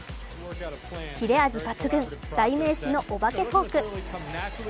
切れ味抜群、代名詞のお化けフォーク。